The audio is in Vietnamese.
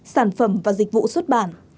hai sản phẩm và dịch vụ xuất bản